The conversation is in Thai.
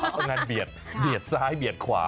เอางั้นเบียดเบียดซ้ายเบียดขวา